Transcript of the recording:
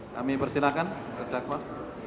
kami persilakan ke dakwah